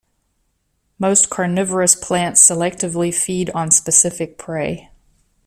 Most carnivorous plants selectively feed on specific prey.